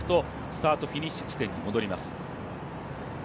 スタートフィニッシュ地点に戻ります。